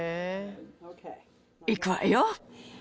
いくわよ。